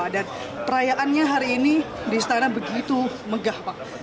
dan perayaannya hari ini di istana begitu megah pak